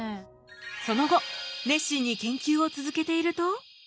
その後熱心に研究を続けていると。